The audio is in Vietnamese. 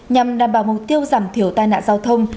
nhằm đảm bảo mục tiêu giảm thiểu tai nạn giao thông